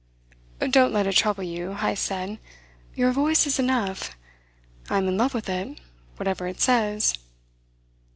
"Don't let it trouble you," Heyst said. "Your voice is enough. I am in love with it, whatever it says."